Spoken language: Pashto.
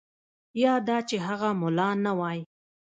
یا دا چې هغه ملا نه وای.